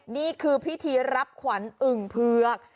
นี่คือพิธีรับขวัญอึ่งเผือก